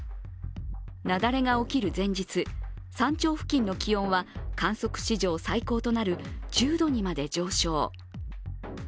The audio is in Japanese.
雪崩が起きる前日、山頂付近の気温は観測史上最高となる１０度にまで上昇。